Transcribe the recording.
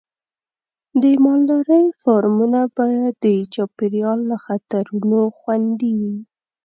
د مالدارۍ فارمونه باید د چاپېریال له خطرونو خوندي وي.